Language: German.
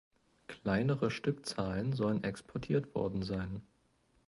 Kleinere Stückzahlen sollen exportiert worden sein.